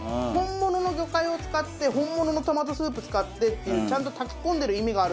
本物の魚介を使って本物のトマトスープ使ってっていうちゃんと。